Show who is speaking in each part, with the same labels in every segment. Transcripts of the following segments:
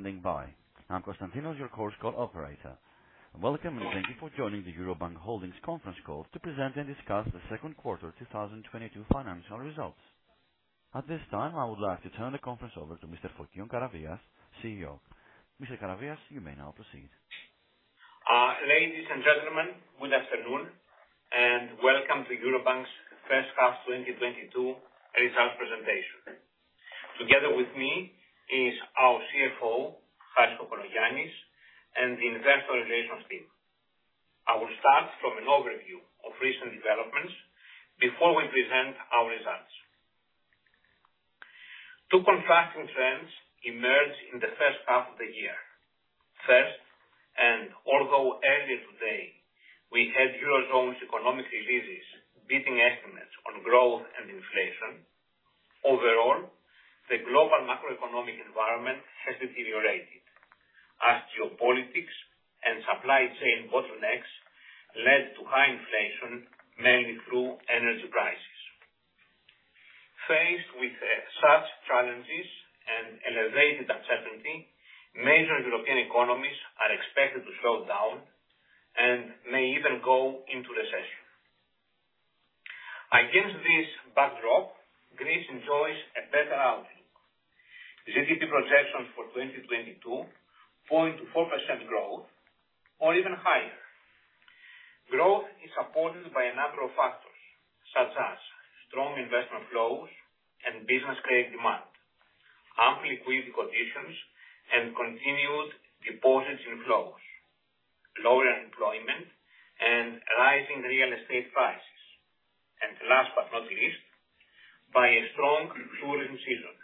Speaker 1: Standing by. I'm Constantinos, your conference call operator. Welcome and thank you for joining the Eurobank Ergasias Services and Holdings Conference Call to present and discuss the second quarter 2022 financial results. At this time, I would like to turn the conference over to Mr. Fokion Karavias, CEO. Mr. Karavias, you may now proceed.
Speaker 2: Ladies and gentlemen, good afternoon, and welcome to Eurobank's First Half 2022 Results Presentation. Together with me is our CFO, Harris Kokologiannis, and the investor relations team. I will start from an overview of recent developments before we present our results. Two contrasting trends emerged in the first half of the year. First, although earlier today we had Eurozone's economic releases beating estimates on growth and inflation, overall, the global macroeconomic environment has deteriorated as geopolitics and supply chain bottlenecks led to high inflation, mainly through energy prices. Faced with such challenges and elevated uncertainty, major European economies are expected to slow down and may even go into recession. Against this backdrop, Greece enjoys a better outlook. GDP projections for 2022 point to 4% growth or even higher. Growth is supported by a number of factors, such as strong investment flows and business credit demand, ample liquidity conditions and continued deposits inflows, lower unemployment and rising real estate prices, and last but not least, by a strong tourism season.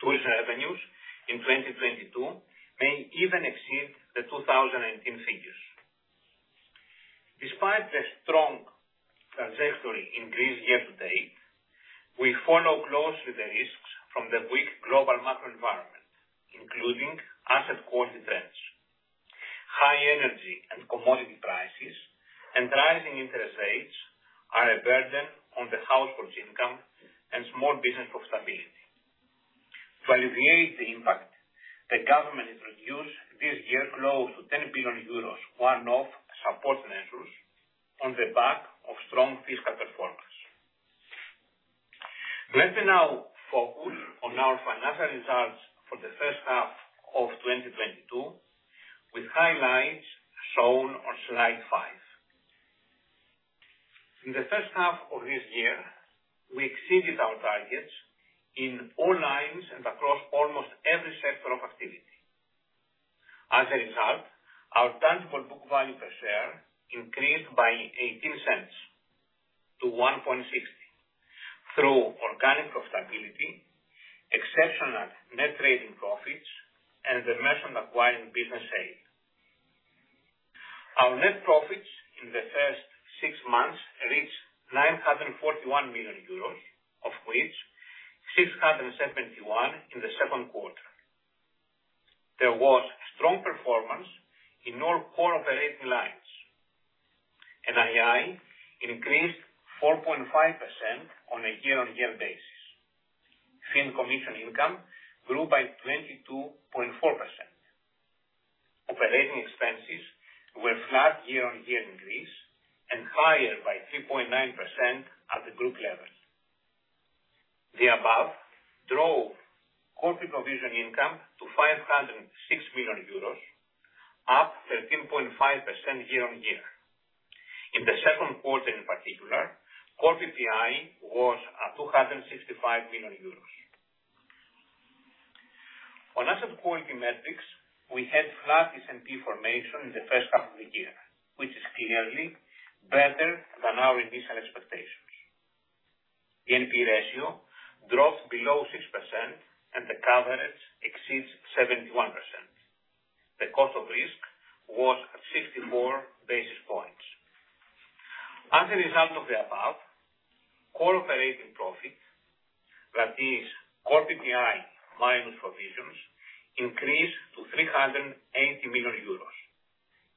Speaker 2: Tourism revenues in 2022 may even exceed the 2019 figures. Despite the strong trajectory increase year to date, we follow closely the risks from the weak global macro environment, including asset quality trends. High energy and commodity prices and rising interest rates are a burden on the household income and small business profitability. To alleviate the impact, the government introduced this year close to 10 billion euros one-off support measures on the back of strong fiscal performance. Let me now focus on our financial results for the first half of 2022, with highlights shown on slide 5. In the first half of this year, we exceeded our targets in all lines and across almost every sector of activity. As a result, our tangible book value per share increased by 0.18 to 1.60 through organic profitability, exceptional net trading profits and the Merchant acquiring business sale. Our net profits in the first six months reached 941 million euros, of which 671 million in the second quarter. There was strong performance in all core operating lines. NII increased 4.5% on a year-on-year basis. Fee and commission income grew by 22.4%. Operating expenses were flat year-on-year in Greece, and higher by 3.9% at the group level. The above drove pre-provision income to 506 million euros, up 13.5% year on year. In the second quarter, in particular, core PPI was at 265 million euros. On asset quality metrics, we had flat NPE formation in the first half of the year, which is clearly better than our initial expectations. The NPE ratio dropped below 6%, and the coverage exceeds 71%. The cost of risk was at 64 basis points. As a result of the above, core operating profit, that is core PPI minus provisions, increased to 380 million euros.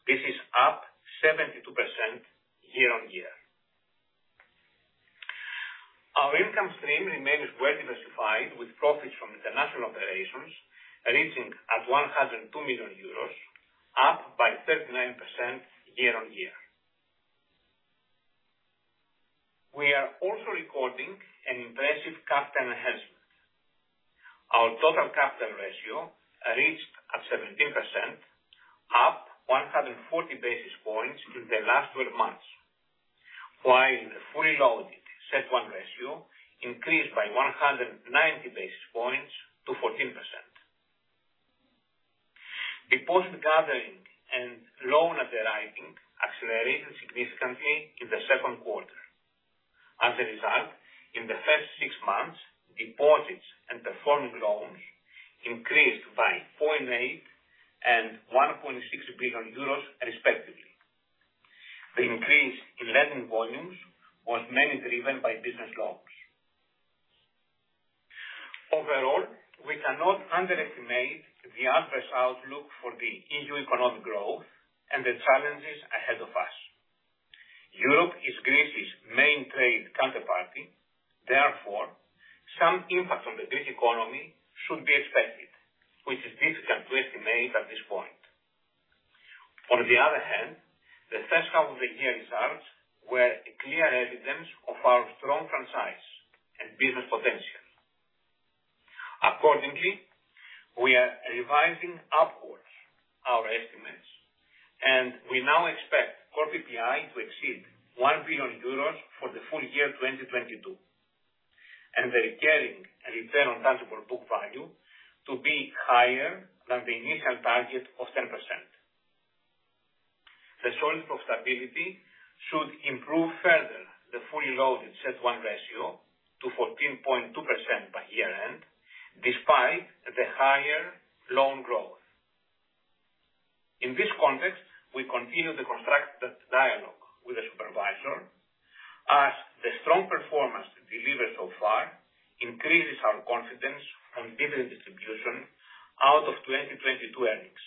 Speaker 2: This is up 72% year-over-year. Our income stream remains well diversified, with profits from international operations reaching 102 million euros, up by 39% year-over-year. We are also recording an impressive capital enhancement. Our total capital ratio reached 17%, up 140 basis points in the last 12 months, while the fully loaded CET1 ratio increased by 190 basis points to 14%. Deposit gathering and loan underwriting accelerated significantly in the second quarter. As a result, in the first six months, deposits and performing loans increased by 0.8 billion and 1.6 billion euros, respectively. The increase in lending volumes was mainly driven by business loans. Overall, we cannot underestimate the adverse outlook for the EU economic growth and the challenges ahead of us. Europe is Greece's main trade counterparty. Therefore, some impact on the Greek economy should be expected, which is difficult to estimate at this point. On the other hand, the first half of the year results were a clear evidence of our strong franchise and business potential. Accordingly, we are revising upwards our estimates, and we now expect core PPI to exceed 1 billion euros for the full year 2022, and the recurring return on tangible book value to be higher than the initial target of 10%. The solid profitability should improve further the fully loaded CET1 ratio to 14.2% by year-end, despite the higher loan growth. In this context, we continue the constructive dialogue with the supervisor as the strong performance delivered so far increases our confidence on dividend distribution out of 2022 earnings.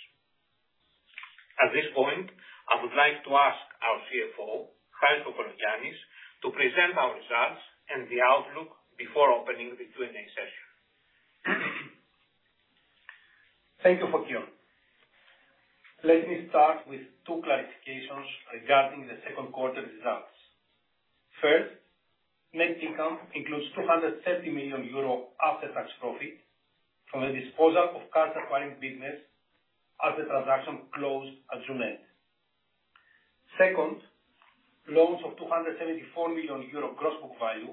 Speaker 2: At this point, I would like to ask our CFO, Harris Kokologiannis, to present our results and the outlook before opening the Q&A session.
Speaker 3: Thank you, Fokion. Let me start with two clarifications regarding the second quarter results. First, net income includes 230 million euro after-tax profit from the disposal of card acquiring business as the transaction closed at June end. Second, loans of 274 million euro gross book value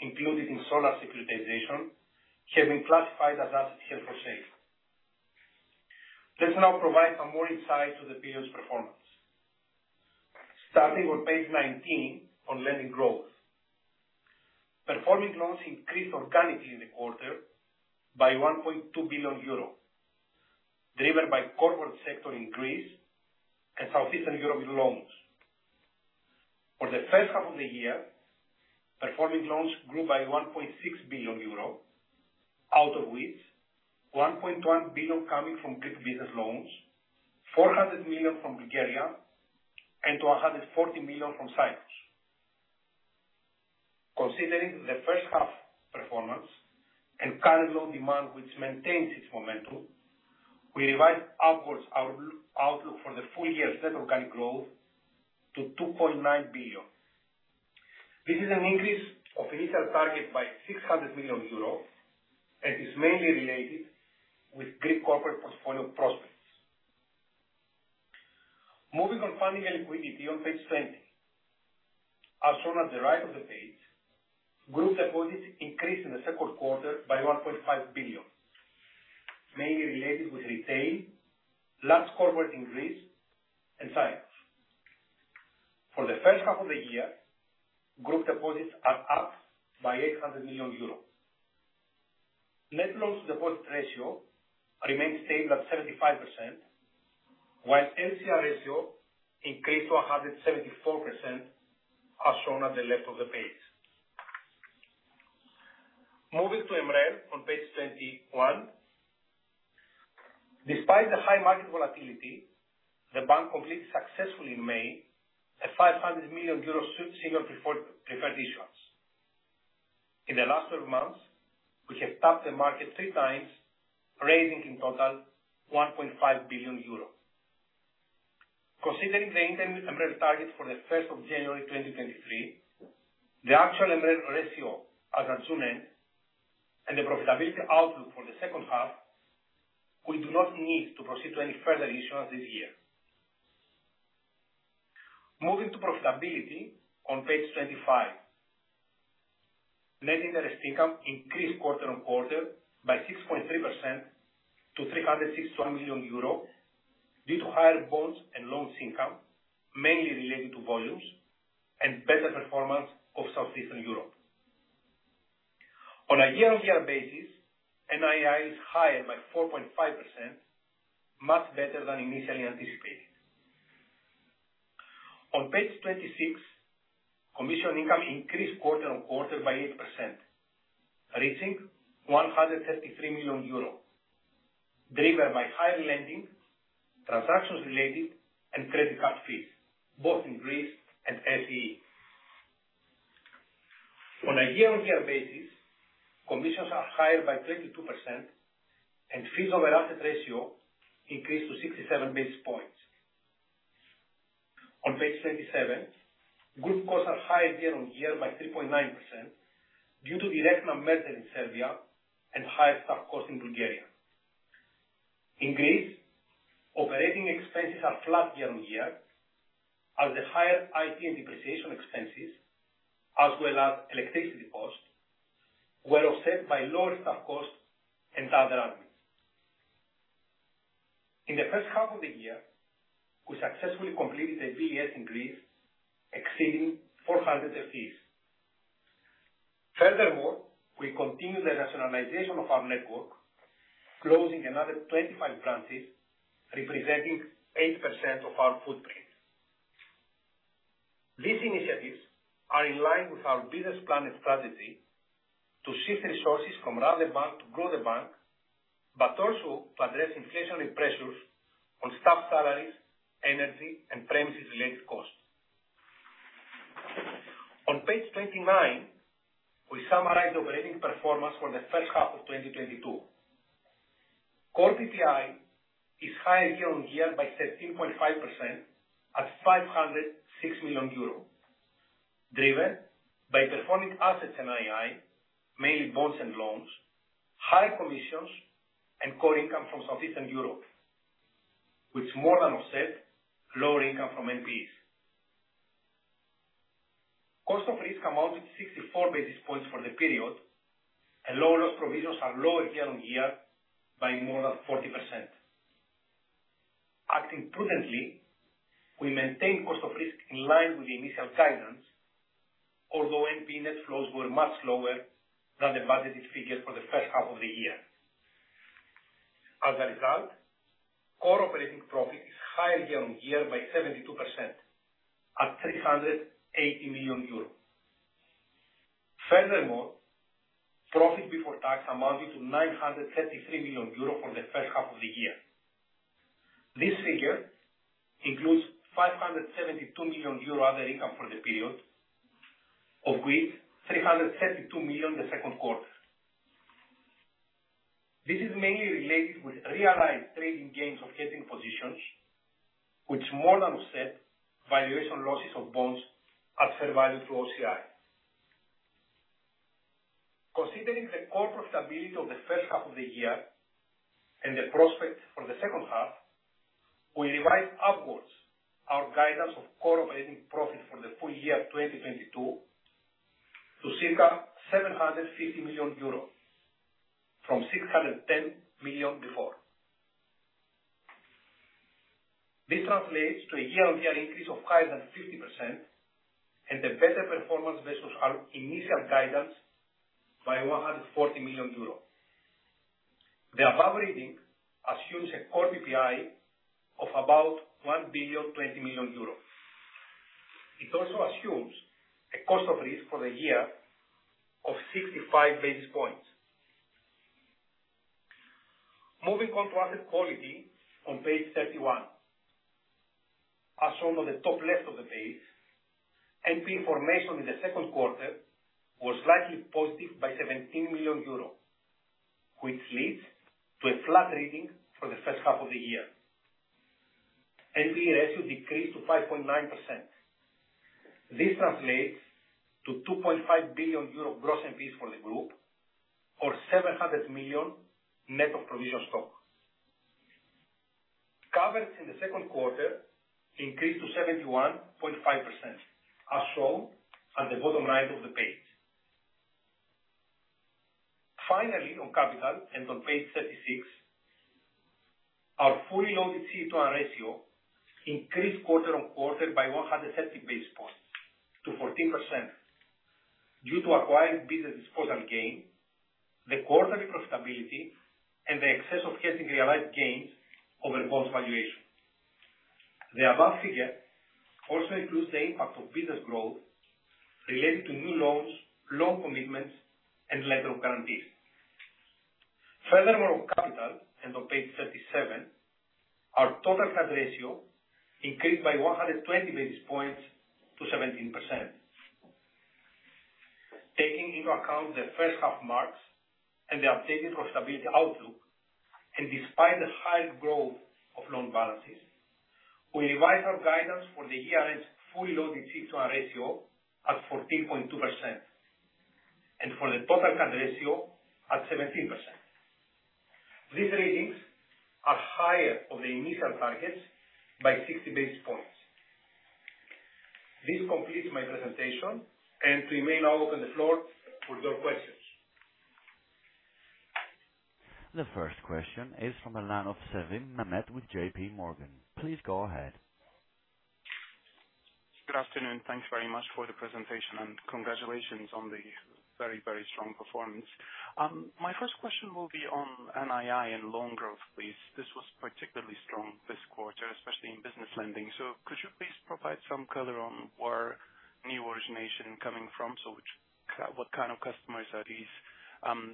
Speaker 3: included in Solar securitization have been classified as assets held for sale. Let's now provide some more insight to the period's performance. Starting with page 19 on lending growth. Performing loans increased organically in the quarter by 1.2 billion euro, driven by corporate sector in Greece and Southeastern Europe loans. For the first half of the year, performing loans grew by 1.6 billion euro, out of which 1.1 billion coming from Greek business loans, 400 million from Bulgaria, and 240 million from Cyprus. Considering the first half performance and current loan demand, which maintains its momentum, we revised upwards our outlook for the full year net organic growth to 2.9 billion. This is an increase of initial target by 600 million euro and is mainly related with Greek corporate portfolio prospects. Moving on funding and liquidity on page 20. As shown at the right of the page, group deposits increased in the second quarter by 1.5 billion, mainly related with retail, large corporate increase in Cyprus. For the first half of the year, group deposits are up by 800 million euro. Net loans deposit ratio remains stable at 75%, while LCR ratio increased to 174%, as shown at the left of the page. Moving to MREL on page 21. Despite the high market volatility, the bank completed successfully in May a 500 million euro senior preferred issuance. In the last 12 months, we have tapped the market three times, raising in total 1.5 billion euros. Considering the interim MREL target for January 1, 2023, the actual MREL ratio as at June end and the profitability outlook for the second half, we do not need to proceed to any further issuance this year. Moving to profitability on page 25. Net interest income increased quarter-on-quarter by 6.3% to 361 million euro due to higher bonds and loans income, mainly related to volumes and better performance of Southeastern Europe. On a year-on-year basis, NII is higher by 4.5%, much better than initially anticipated. On page 26, commission income increased quarter-on-quarter by 8%, reaching 133 million euro, driven by higher lending, transactions related, and credit card fees, both in Greece and SE. On a year-on-year basis, commissions are higher by 22% and fees over asset ratio increased to 67 basis points. On page 27, group costs are higher year-on-year by 3.9% due to the Direktna merger in Serbia and higher staff costs in Bulgaria. In Greece, operating expenses are flat year-on-year as the higher IT and depreciation expenses, as well as electricity costs, were offset by lower staff costs and other admin. In the first half of the year, we successfully completed the VSS in Greece, exceeding 400 FTEs. Furthermore, we continue the rationalization of our network, closing another 25 branches, representing 8% of our footprint. These initiatives are in line with our business plan and strategy to shift resources from run the bank to grow the bank, but also to address inflationary pressures on staff salaries, energy and premises related costs. On page 29, we summarize operating performance for the first half of 2022. Core PPI is higher year-on-year by 13.5% at 506 million euro, driven by performing assets NII, mainly bonds and loans, high commissions and core income from Southeastern Europe, which more than offset lower income from NPEs. Cost of risk amounted to 64 basis points for the period, and loan loss provisions are lower year-on-year by more than 40%. Acting prudently, we maintain cost of risk in line with the initial guidance, although NPE flows were much lower than the budgeted figures for the first half of the year. Core operating profit is higher year-on-year by 72% at 380 million euro. Furthermore, profit before tax amounted to 933 million euro for the first half of the year. This figure includes 572 million euro other income for the period, of which 332 million in the second quarter. This is mainly related with realized trading gains of hedging positions, which more than offset valuation losses of bonds recorded through OCI. Considering the core profitability of the first half of the year and the prospect for the second half, we revised upwards our guidance of core operating profit for the full year 2022 to circa 750 million euro from 610 million before. This translates to a year-on-year increase of higher than 50% and a better performance versus our initial guidance by 140 million euros. The above reading assumes a core PPI of about 1.02 billion. It also assumes a cost of risk for the year of 65 basis points. Moving on to asset quality on page 31. As shown on the top left of the page, NPE formation in the second quarter was slightly positive by 17 million euros, which leads to a flat reading for the first half of the year. NPE ratio decreased to 5.9%. This translates to 2.5 billion euro gross NPEs for the group or 700 million net of provision stock. Coverage in the second quarter increased to 71.5%, as shown at the bottom right of the page. Finally, on capital and on page 36, our fully loaded CET1 ratio increased quarter-on-quarter by 130 basis points to 14% due to acquiring business disposal gain, the quarterly profitability and the excess of netting realized gains over bond valuation. The above figure also includes the impact of business growth related to new loans, loan commitments and letters of guarantee. Furthermore, on capital and on page 37, our total capital ratio increased by 120 basis points to 17%. Taking into account the first half results and the updated profitability outlook, and despite the high growth of loan balances, we revised our guidance for the year-end fully loaded CET1 ratio at 14.2%, and for the total capital ratio at 17%. These ratios are higher than the initial targets by 60 basis points. This completes my presentation, and we may now open the floor for your questions.
Speaker 1: The first question is from the line of Mehmet Sevim with JPMorgan. Please go ahead.
Speaker 4: Good afternoon. Thanks very much for the presentation, and congratulations on the very, very strong performance. My first question will be on NII and loan growth, please. This was particularly strong this quarter, especially in business lending. Could you please provide some color on where new origination coming from? What kind of customers are these?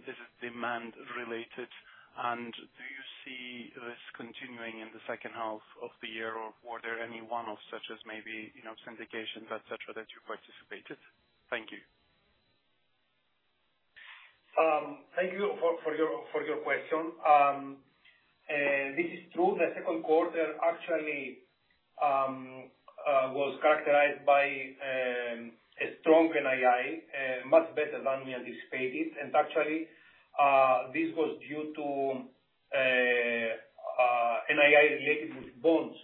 Speaker 4: Is it demand related? Do you see this continuing in the second half of the year, or were there any one-offs such as maybe, you know, syndications, et cetera, that you participated? Thank you.
Speaker 3: Thank you for your question. This is true. The second quarter actually was characterized by a strong NII, much better than we anticipated. Actually, this was due to NII related with bonds,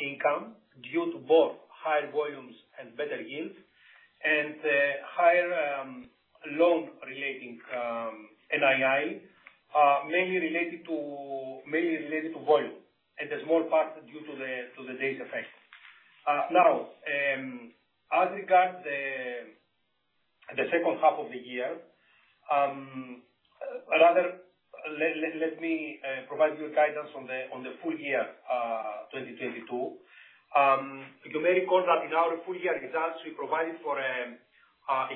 Speaker 3: income due to both higher volumes and better yield. Higher loan relating NII mainly related to volume, and a small part is due to the base effect. Now, as regards the second half of the year, let me provide you guidance on the full year, 2022. You may recall that in our full year results, we provided for a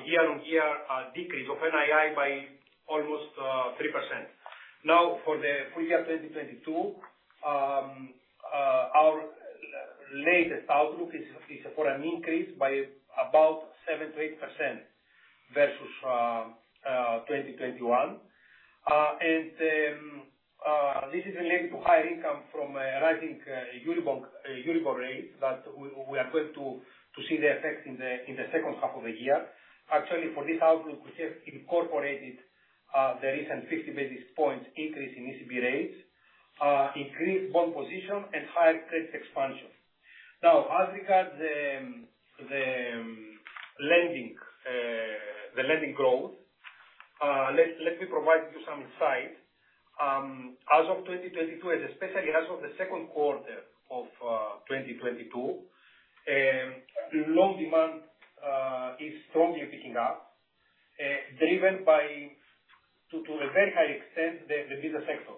Speaker 3: year-on-year decrease of NII by almost 3%. Now, for the full year 2022, our latest outlook is for an increase by about 7%-8% versus 2021. This is related to higher income from rising Euribor rates that we are going to see the effect in the second half of the year. Actually, for this outlook, we have incorporated the recent 50 basis points increase in ECB rates, increased bond position and higher credit expansion. Now, as regards the lending growth, let me provide you some insight. As of 2022, and especially as of the second quarter of 2022, loan demand is strongly picking up, driven by, to a very high extent, the business sector.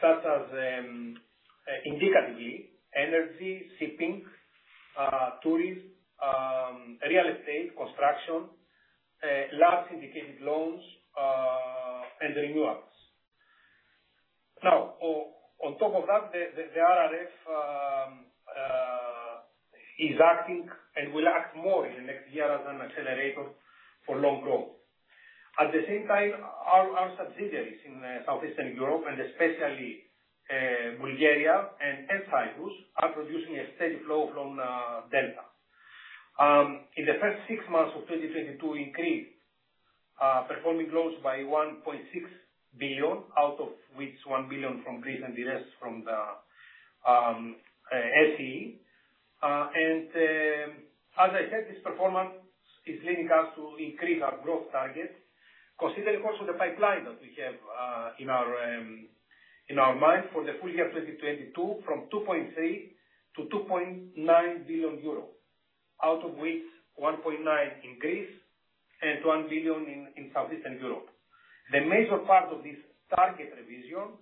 Speaker 3: Such as, indicatively, energy, shipping, tourism, real estate, construction, large syndicated loans, and renewals. Now, on top of that, the RRF is acting and will act more in the next year as an accelerator for loan growth. At the same time, our subsidiaries in Southeastern Europe and especially, Bulgaria and Cyprus are producing a steady flow from retail. In the first six months of 2022, increased performing loans by 1.6 billion, out of which 1 billion from Greece and the rest from the SEE. As I said, this performance is leading us to increase our growth targets, considering also the pipeline that we have in our mind for the full year 2022 from 2.3 billion-2.9 billion euro. Out of which 1.9 billion in Greece and 1 billion in Southeastern Europe. The major part of this target revision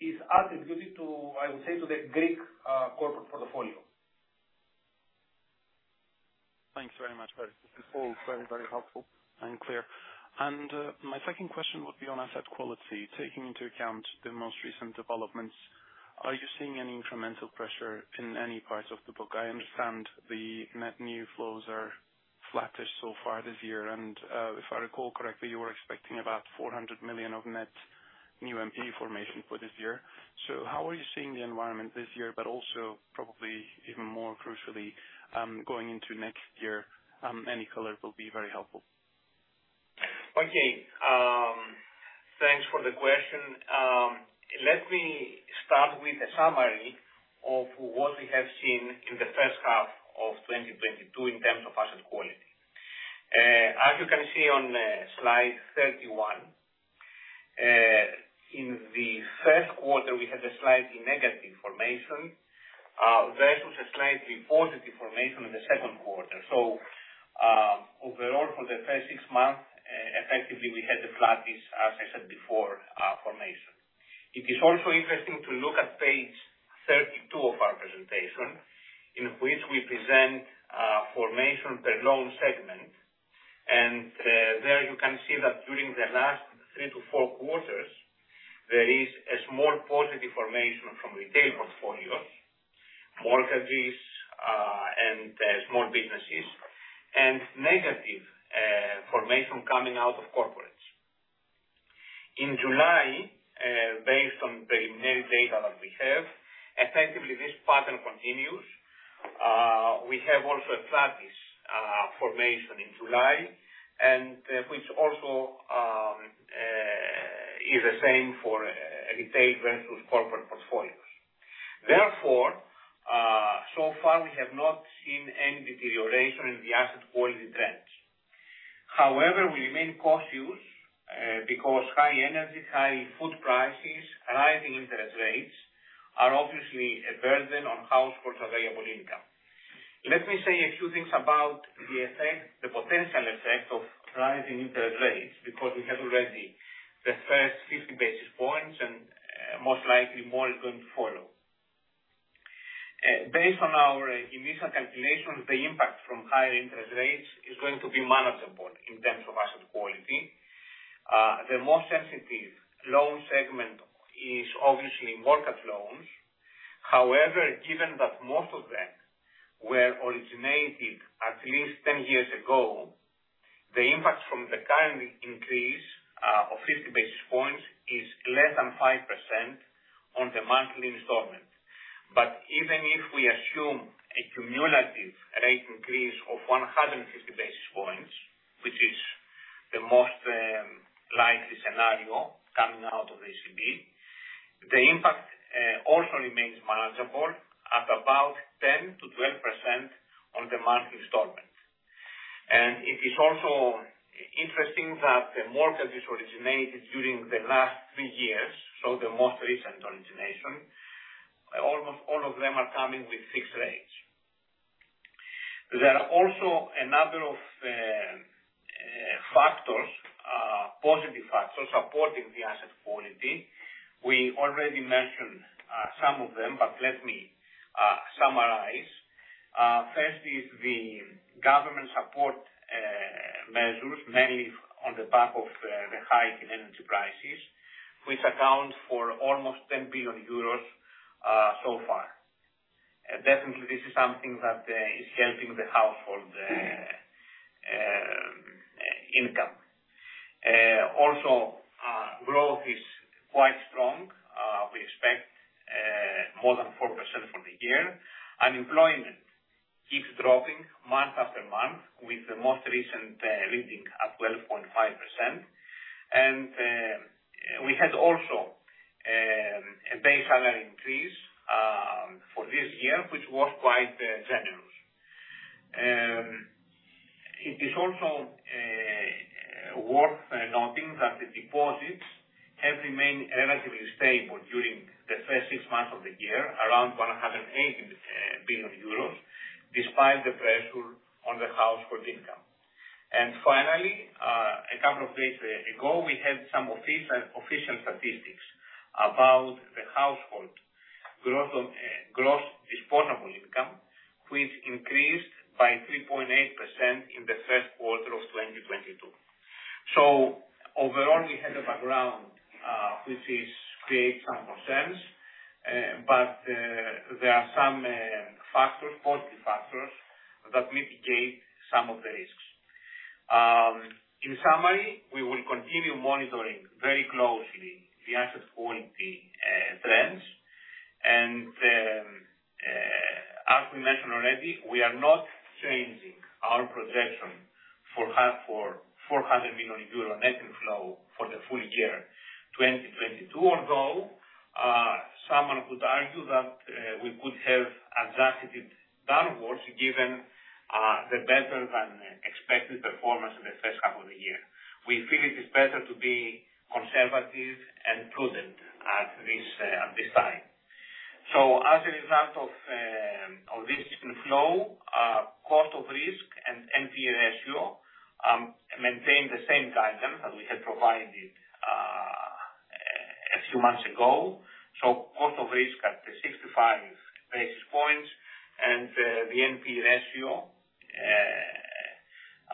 Speaker 3: is attributed to, I would say, to the Greek corporate portfolio.
Speaker 4: Thanks very much, Harris. This is all very, very helpful and clear. My second question would be on asset quality. Taking into account the most recent developments, are you seeing any incremental pressure in any parts of the book? I understand the net new flows are flattish so far this year, and if I recall correctly, you were expecting about 400 million of net new NPE formation for this year. How are you seeing the environment this year, but also probably even more crucially, going into next year? Any color will be very helpful.
Speaker 2: Okay. Thanks for the question. Let me start with a summary of what we have seen in the first half of 2022 in terms of asset quality. As you can see on slide 31, in the first quarter, we had a slightly negative formation versus a slightly positive formation in the second quarter. Overall, for the first six months, effectively, we had the flattish formation, as I said before. It is also interesting to look at page 32 of our presentation, in which we present formation per loan segment. There you can see that during the last 3-4 quarters, there is a small positive formation from retail portfolios, mortgages, and small businesses, and negative formation coming out of corporates. In July, based on the new data that we have, effectively this pattern continues. We have also a flattish formation in July, and which also is the same for retail versus corporate portfolios. Therefore, so far we have not seen any deterioration in the asset quality trends. However, we remain cautious because high energy, high food prices, rising interest rates are obviously a burden on households' available income. Let me say a few things about the effect, the potential effect of rising interest rates, because we have already the first 50 basis points and most likely more is going to follow. Based on our initial calculations, the impact from higher interest rates is going to be manageable in terms of asset quality. The most sensitive loan segment is obviously mortgage loans. However, given that most of them were originated at least 10 years ago, the impact from the current increase of 50 basis points is less than 5% on the monthly installment. Even if we assume a cumulative rate increase of 150 basis points, which is the most likely scenario coming out of ECB, the impact also remains manageable at about 10%-12% on the monthly installment. It is also interesting that the mortgages originated during the last 3 years, so the most recent origination, almost all of them are coming with fixed rates. There are also a number of positive factors supporting the asset quality. We already mentioned some of them, but let me summarize. First is the government support measures, mainly on the back of the hike in energy prices, which account for almost 10 billion euros so far. Definitely this is something that is helping the household income. Also, growth is quite strong. We expect more than 4% for the year. Unemployment keeps dropping month after month, with the most recent reading at 12.5%. We had also a base salary increase for this year, which was quite generous. It is also worth noting that the deposits have remained relatively stable during the first six months of the year, around 180 billion euros, despite the pressure on the household income. Finally, a couple of days ago, we had some official statistics about the household growth on gross disposable income, which increased by 3.8% in the first quarter of 2022. Overall, we have a background which is create some concerns, but there are some factors, positive factors that mitigate some of the risks. In summary, we will continue monitoring very closely the asset quality trends. As we mentioned already, we are not changing our projection for 450 million euro net inflow for the full year 2022. Although someone could argue that we could have adjusted downwards given the better than expected performance in the first half of the year. We feel it is better to be conservative and prudent at this time. As a result of this inflow, cost of risk and NPE ratio maintain the same guidance that we had provided a few months ago. Cost of risk at the 65 basis points and the NPE ratio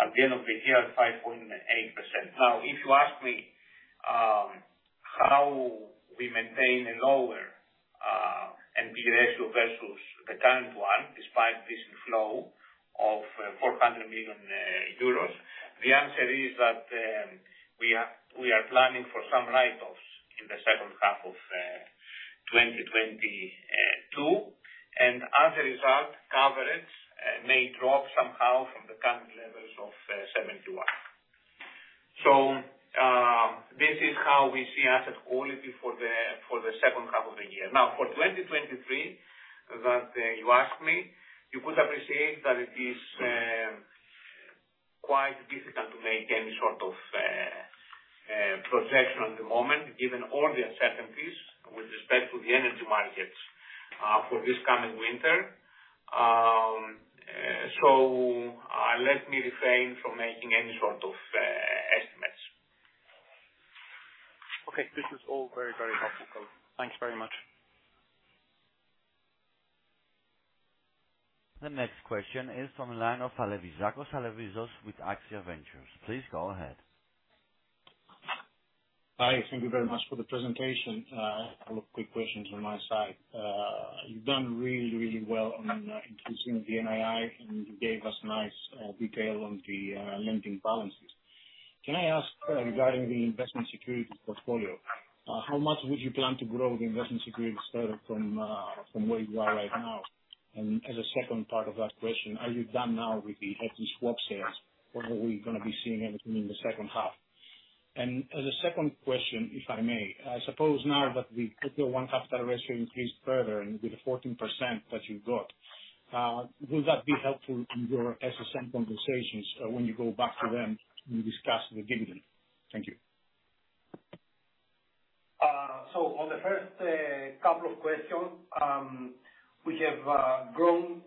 Speaker 2: at the end of the year at 5.8%. Now, if you ask me how we maintain a lower NPE ratio versus the current one, despite this inflow of 400 million euros, the answer is that we are planning for some write-offs in the second half of 2022. As a result, coverage may drop somehow from the current levels of 71. This is how we see asset quality for the second half of the year. Now, for 2023 that you asked me, you could appreciate that it is quite difficult to make any sort of projection at the moment, given all the uncertainties with respect to the energy markets for this coming winter. Let me refrain from making any sort of estimates.
Speaker 4: Okay. This is all very, very helpful. Thanks very much.
Speaker 1: The next question is from the line of Alevizos Alevizakos. Alevizos Alevizakos with Axia Ventures. Please go ahead.
Speaker 5: Hi, thank you very much for the presentation. A couple of quick questions from my side. You've done really, really well on increasing the NII, and you gave us nice detail on the lending balances. Can I ask regarding the investment securities portfolio, how much would you plan to grow the investment securities further from where you are right now? As a second part of that question, are you done now with the FX swap sales, or are we gonna be seeing anything in the second half? As a second question, if I may, I suppose now that the CET1 capital ratio increased further and with the 14% that you've got, will that be helpful in your SSM conversations when you go back to them and discuss the dividend? Thank you.
Speaker 2: On the first couple of questions, we have grown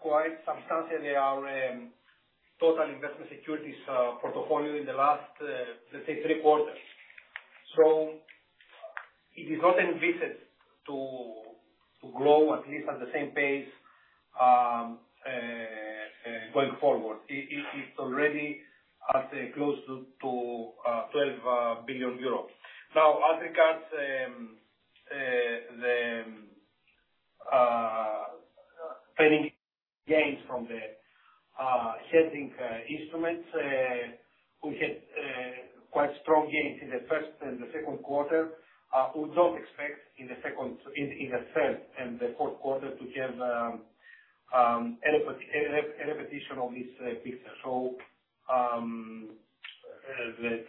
Speaker 2: quite substantially our total investment securities portfolio in the last, let's say three quarters. It is not envisaged to grow at least at the same pace going forward. It's already at close to 12 billion euro. Now, as regards the trading gains from the hedging instruments, we had quite strong gains in the first and the second quarter. We don't expect in the third and the fourth quarter to have a repetition of this picture.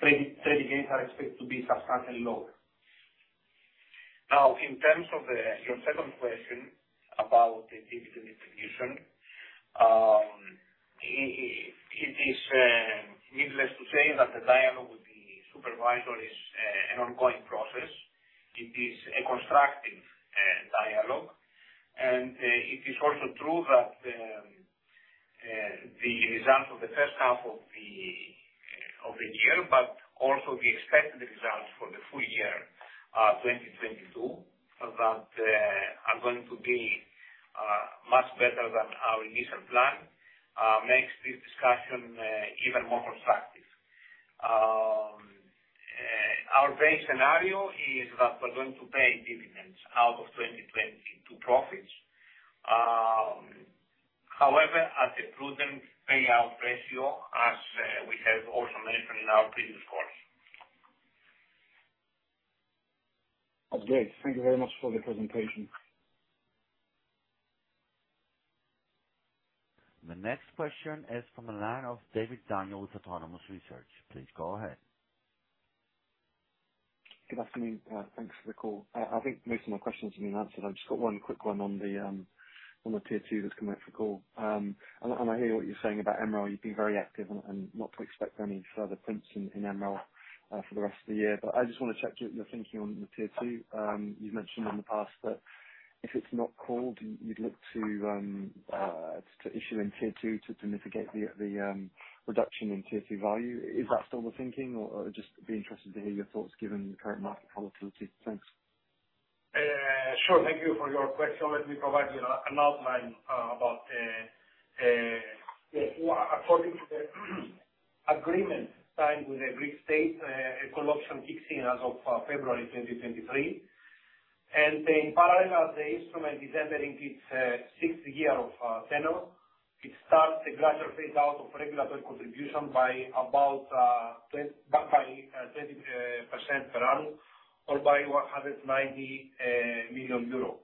Speaker 2: Trading gains are expected to be substantially lower. Now, in terms of your second question about the dividend distribution, it is needless to say that the dialogue with the supervisor is an ongoing process. It is a constructive dialogue. It is also true that the results of the first half of the year, but also the expected results for the full year 2022, that are going to be much better than our initial plan, makes this discussion even more constructive. Our base scenario is that we're going to pay dividends out of 2022 profits. However, at the prudent payout ratio, as we have also mentioned in our previous calls.
Speaker 5: That's great. Thank you very much for the presentation.
Speaker 1: The next question is from the line of Daniel David with Autonomous Research. Please go ahead.
Speaker 6: Good afternoon. Thanks for the call. I think most of my questions have been answered. I've just got one quick one on the Tier 2 that's come up for call. I hear what you're saying about MREL. You've been very active and not to expect any further prints in MREL for the rest of the year. I just wanna check your thinking on the Tier 2. You've mentioned in the past that if it's not called, you'd look to issue in Tier 2 to mitigate the reduction in Tier 2 value. Is that still the thinking? Or just be interested to hear your thoughts given the current market volatility. Thanks.
Speaker 3: Sure. Thank you for your question. Let me provide you an outline about yes. According to the agreement signed with the Greek state, call option kicks in as of February 2023. In parallel, the instrument is entering its sixth year of tenure. It starts a gradual phase out of regulatory contribution by about 20% per annum or by 190 million euro.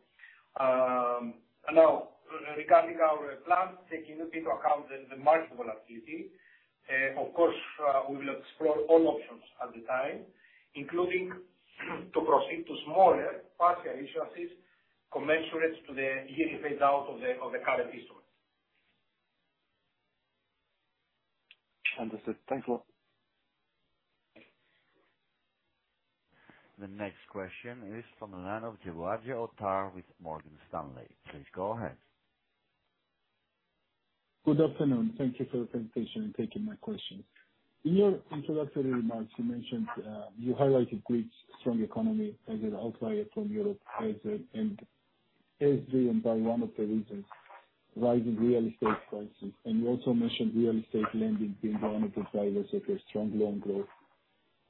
Speaker 3: Now, regarding our plans, taking into account the market volatility, of course, we will explore all options at the time, including to proceed to smaller partial issuances commensurate to the yearly phase out of the current instrument.
Speaker 6: Understood. Thanks a lot.
Speaker 1: The next question is from the line of [inaudible] with Morgan Stanley. Please go ahead.
Speaker 7: Good afternoon. Thank you for the presentation and taking my question. In your introductory remarks, you mentioned, you highlighted Greece's strong economy as an outlier from Europe and as driven by one of the reasons, rising real estate prices. You also mentioned real estate lending being one of the drivers of your strong loan growth.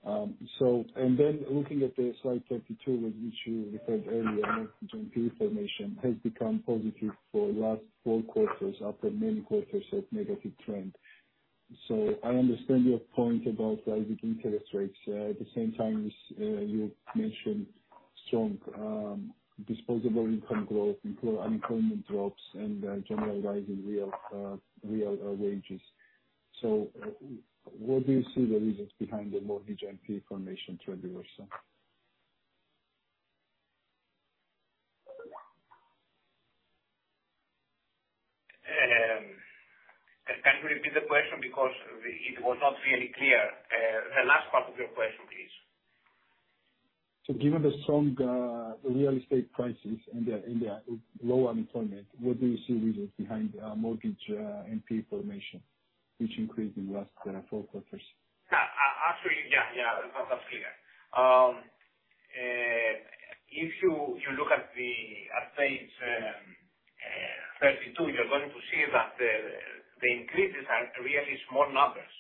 Speaker 7: Then looking at the slide 32, which you referred earlier, mortgage NPE formation has become positive for last four quarters after many quarters of negative trend. I understand your point about rising interest rates. At the same time, you mentioned strong disposable income growth, unemployment drops, and general rise in real wages. Where do you see the reasons behind the mortgage NPE formation trend reversal?
Speaker 2: Can you repeat the question? Because it was not really clear. The last part of your question, please.
Speaker 7: Given the strong real estate prices and the low unemployment, where do you see reasons behind mortgage NPE formation, which increased in last 4 quarters.
Speaker 2: Answer you, yeah. That's clear. If you look at the page 32, you're going to see that the increases are really small numbers.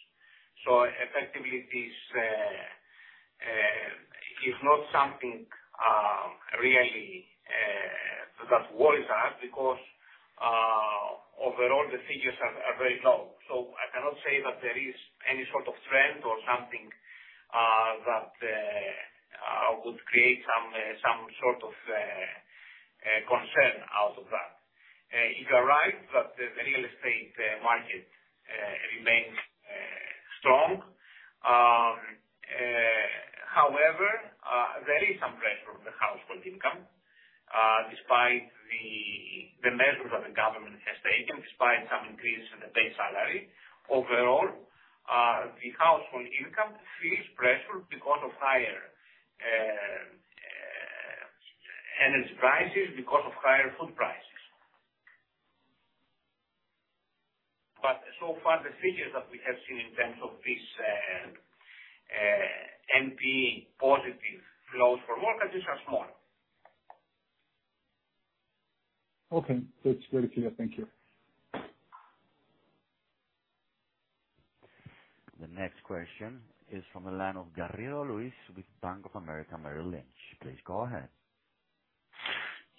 Speaker 2: Effectively this is not something really that worries us because overall the figures are very low. I cannot say that there is any sort of trend or something that would create some sort of concern out of that. You are right that the real estate market remains strong. However, there is some pressure on the household income despite the measures that the government has taken, despite some increase in the base salary. Overall, the household income feels pressure because of higher energy prices, because of higher food prices. So far the figures that we have seen in terms of this, NPE positive flows for mortgages are small.
Speaker 8: Okay. That's very clear. Thank you.
Speaker 1: The next question is from the line of Luis Garrido with Bank of America Merrill Lynch. Please go ahead.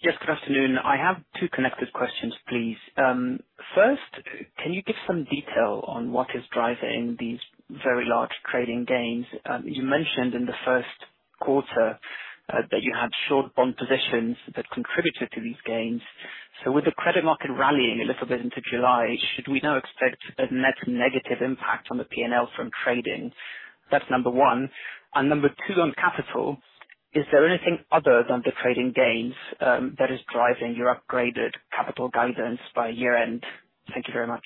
Speaker 9: Yes, good afternoon. I have two connected questions, please. First, can you give some detail on what is driving these very large trading gains? You mentioned in the first quarter that you had short bond positions that contributed to these gains. With the credit market rallying a little bit into July, should we now expect a net negative impact on the P&L from trading? That's number one. Number two, on capital, is there anything other than the trading gains that is driving your upgraded capital guidance by year-end? Thank you very much.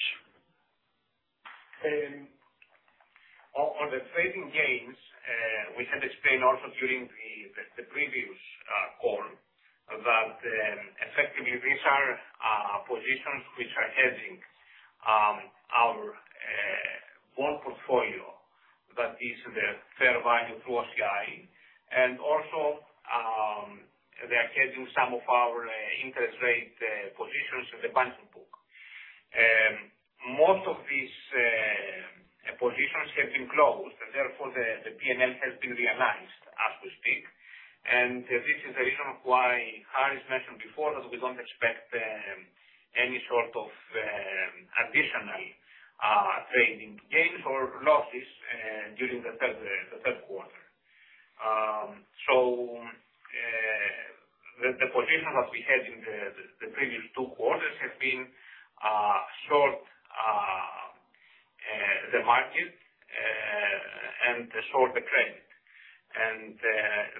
Speaker 2: On the trading gains, we had explained also during the previous call that effectively these are positions which are hedging our bond portfolio that is the fair value through OCI. They are hedging some of our interest rate positions in the banking book. Most of these positions have been closed, and therefore the P&L has been realized as we speak. This is the reason why Harry has mentioned before that we don't expect any sort of additional trading gains or losses during the third quarter. The position that we had in the previous two quarters have been short the market and short the credit.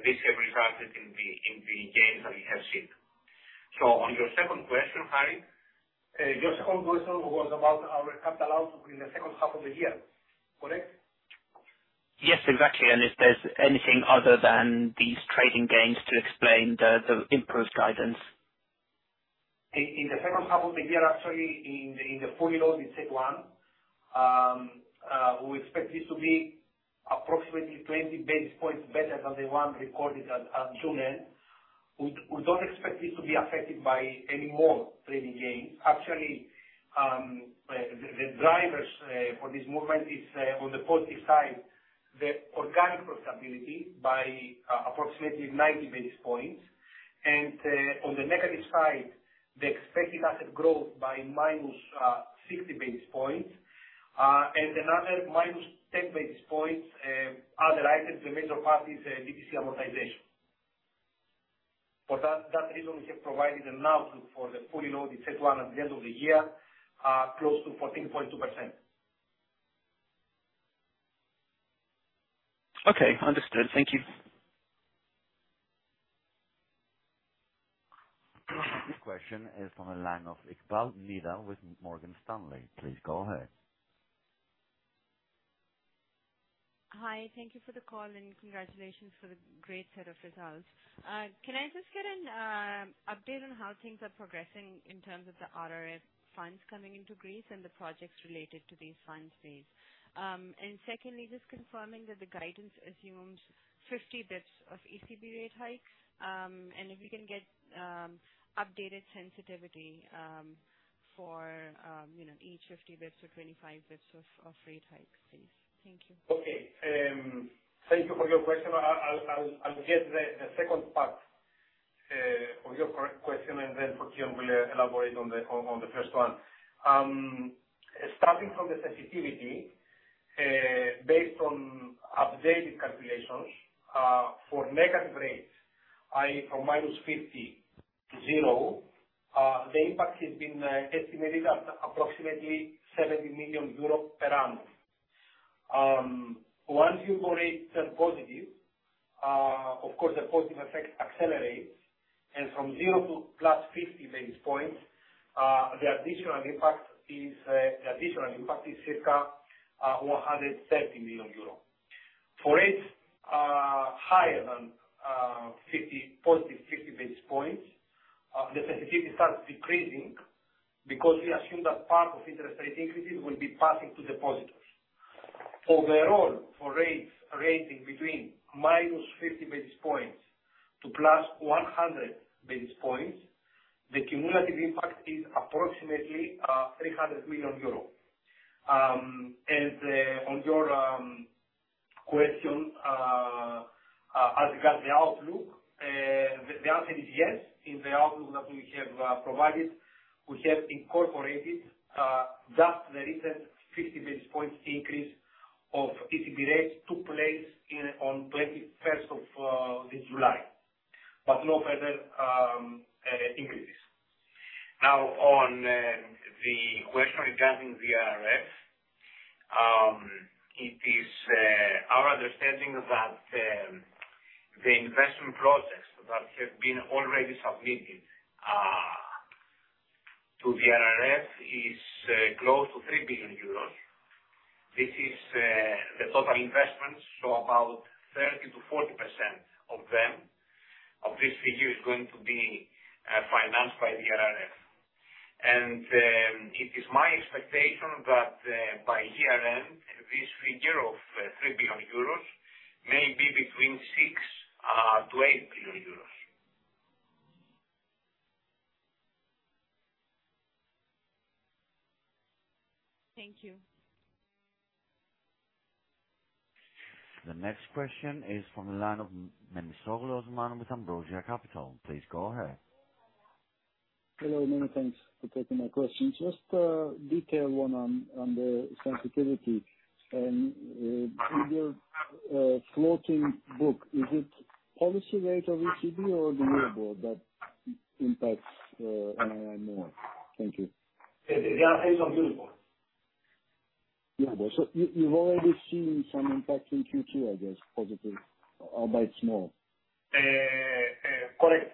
Speaker 2: This have resulted in the gains that we have seen. On your second question, Harry, your second question was about our capital in the second half of the year, correct?
Speaker 9: Yes, exactly, if there's anything other than these trading gains to explain the improved guidance.
Speaker 2: In the second half of the year, actually in the fully loaded CET1, we expect this to be approximately 20 basis points better than the one recorded at June end. We don't expect this to be affected by any more trading gains. Actually, the drivers for this movement is on the positive side, the organic profitability by approximately 90 basis points, and on the negative side, the expected asset growth by minus 60 basis points, and another minus 10 basis points, other items, the major part is DTC amortization. For that reason, we have provided an outlook for the fully loaded CET1 at the end of the year, close to 14.2%.
Speaker 9: Okay. Understood. Thank you.
Speaker 1: The next question is from the line of Nida Iqbal with Morgan Stanley. Please go ahead.
Speaker 10: Hi. Thank you for the call, and congratulations for the great set of results. Can I just get an update on how things are progressing in terms of the RRF funds coming into Greece and the projects related to these funds, please? Secondly, just confirming that the guidance assumes 50 basis points of ECB rate hikes, and if we can get updated sensitivity for you know, each 50 basis points or 25 basis points of rate hikes, please. Thank you.
Speaker 3: Thank you for your question. I'll get the second part of your question, and then for Fokion will elaborate on the first one. Starting from the sensitivity, based on updated calculations, for negative rates, i.e., from -50 to 0, the impact has been estimated at approximately 70 million euros per annum. Once the rates turn positive, of course the positive effect accelerates, and from 0 to +50 basis points, the additional impact is circa 130 million euro. For rates higher than positive 50 basis points, the sensitivity starts decreasing because we assume that part of interest rate increases will be passing to depositors. Overall, for rates ranging between -50 basis points to +100 basis points, the cumulative impact is approximately 300 million euro. On your question as regards the outlook, the answer is yes. In the outlook that we have provided, we have incorporated just the recent 50 basis points increase of ECB rates that took place on 21st of this July, but no further increases. Now, on the question regarding the RRF, it is our understanding that the investment projects that have been already submitted to the RRF is close to 3 billion euros. This is the total investments, so about 30%-40% of them, of this figure is going to be financed by the RRF. It is my expectation that by year-end, this figure of 3 billion euros may be between 6 billion to 8 billion euros.
Speaker 10: Thank you.
Speaker 1: The next question is from the line of Osman Memisoglu with Ambrosia Capital. Please go ahead.
Speaker 11: Hello. Many thanks for taking my question. Just a detail one on the sensitivity with your floating book, is it- Policy rate of ECB or the Euribor that impacts, NII more? Thank you.
Speaker 2: The impact of Euribor.
Speaker 11: Euribor. You've already seen some impact in Q2, I guess, positive, albeit small.
Speaker 2: Correct.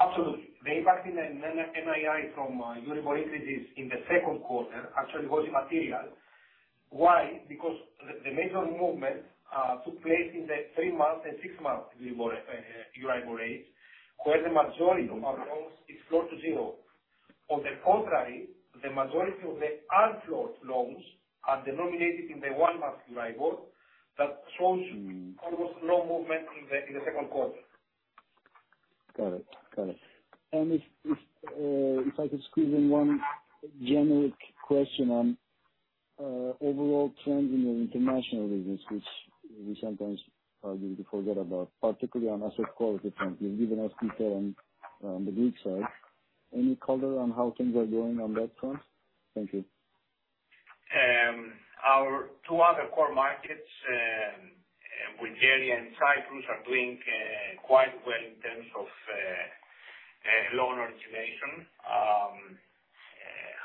Speaker 2: Absolutely. The impact in the NII from Euribor increases in the second quarter actually was immaterial. Why? Because the major movement took place in the 3-month and 6-month Euribor rates, where the majority of our loans are floored to zero. On the contrary, the majority of the unfloored loans are denominated in the 1-month Euribor that shows almost no movement in the second quarter.
Speaker 11: Got it. If I could squeeze in one generic question on overall trends in your international business, which we sometimes usually forget about, particularly on asset quality front, you've given us detail on the Greek side. Any color on how things are going on that front? Thank you.
Speaker 2: Our two other core markets, Bulgaria and Cyprus, are doing quite well in terms of loan origination.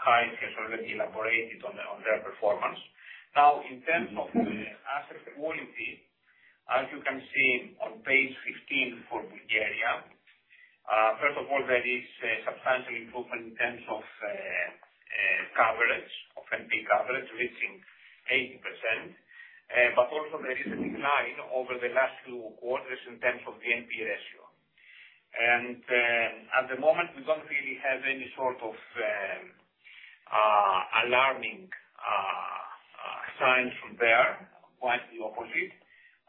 Speaker 2: Harry has already elaborated on their performance. Now, in terms of asset quality, as you can see on page 16 for Bulgaria, first of all, there is a substantial improvement in terms of coverage of NPE coverage, reaching 80%. There is also a decline over the last few quarters in terms of the NPE ratio. At the moment, we don't really have any sort of alarming signs from there, quite the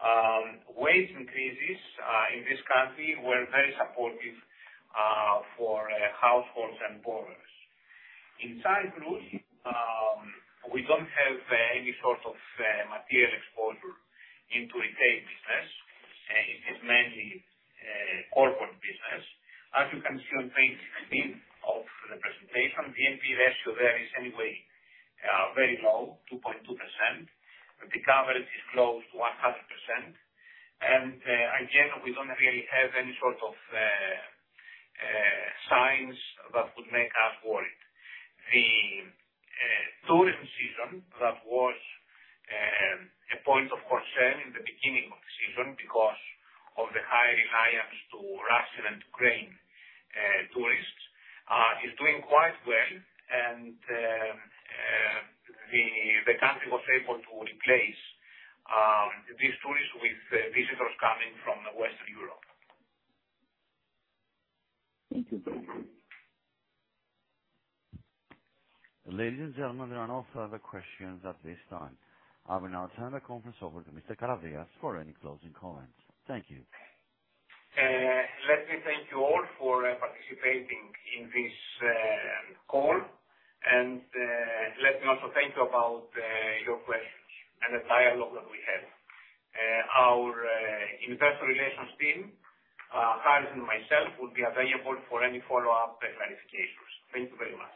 Speaker 2: opposite. Wage increases in this country were very supportive for households and borrowers. In Cyprus, we don't have any sort of material exposure into retail business. It is mainly corporate business. As you can see on page 16 of the presentation, the NPE ratio there is anyway very low, 2.2%. The coverage is close to 100%. Again, we don't really have any sort of signs that would make us worried. The tourism season, that was a point of concern in the beginning of the season because of the high reliance on Russian and Ukrainian tourists, is doing quite well and the country was able to replace these tourists with visitors coming from Western Europe.
Speaker 11: Thank you.
Speaker 1: Ladies and gentlemen, there are no further questions at this time. I will now turn the conference over to Mr. Karavias for any closing comments. Thank you.
Speaker 2: Let me thank you all for participating in this call. Let me also thank you about your questions and the dialogue that we had. Our investor relations team, Harry and myself, will be available for any follow-up and clarifications. Thank you very much.